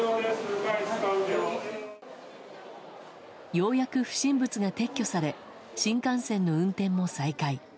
ようやく不審物が撤去され新幹線の運転も再開。